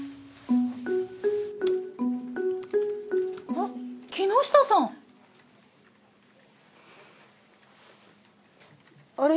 あっ木下さん！あれ？